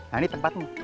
nah ini tempatmu